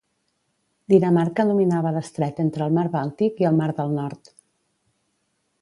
Dinamarca dominava l'estret entre el Mar Bàltic i el Mar del Nord.